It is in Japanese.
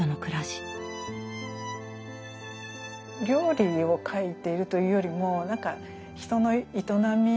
料理を書いているというよりもなんか人の営みですね。